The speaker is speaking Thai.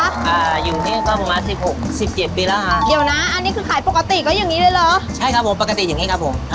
เดี๋ยวนะอันนี้คือขายปกติก็อย่างนี้เลยเหรอ